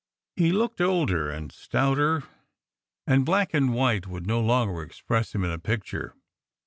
He looked older and stouter, and black and white would no longer express him in a picture.